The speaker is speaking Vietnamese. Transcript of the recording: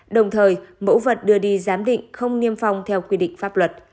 đồng thời mẫu vật đưa đi giám định không niêm phong theo quy định pháp luật